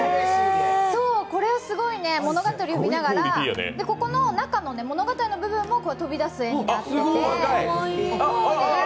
これ、物語を読みながらここの中の物語の部分も飛び出す絵になってて。